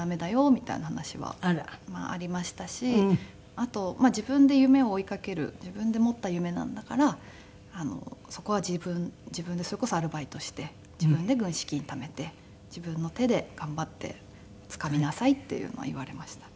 あと自分で夢を追い掛ける自分で持った夢なんだからそこは自分でそれこそアルバイトをして自分で軍資金ためて自分の手で頑張ってつかみなさいっていうのは言われましたね。